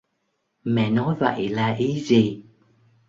mẹ nói vậy là ý gì